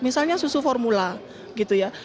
misalnya susu formula gitu ya